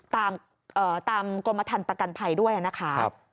ตามกรมทันประกันภัยด้วยนะคะ